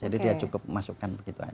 jadi dia cukup masukkan begitu aja